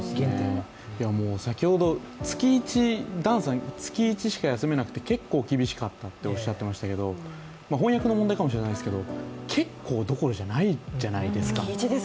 先ほどダンさん、月１しか休めなくて結構厳しかったとおっしゃっていますけど翻訳の問題かもしれないですけど結構どころじゃないじゃないですか。